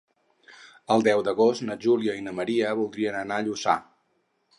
El deu d'agost na Júlia i na Maria voldrien anar a Lluçà.